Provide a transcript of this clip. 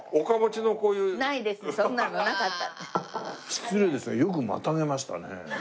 失礼ですがよくまたげましたね。